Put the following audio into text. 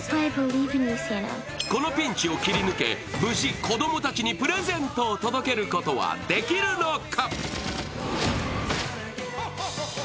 このピンチを切り抜け、無事、子供たちにプレゼントを届けることはできるのか？